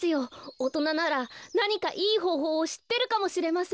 おとなならなにかいいほうほうをしってるかもしれません。